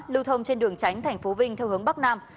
lưu thông trên đường tránh thành phố vinh theo hướng bắc nam